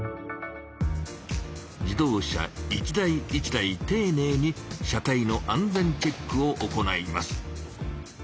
自動車一台一台ていねいに車体の安全チェックを行います。